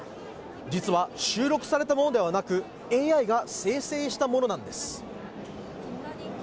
実は収録されたものではなくＡＩが生成したものなんです。